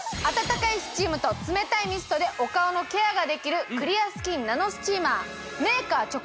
温かいスチームと冷たいミストでお顔のケアができるクリアスキンナノスチーマーメーカー